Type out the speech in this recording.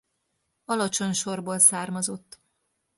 Alacsony sorból származott.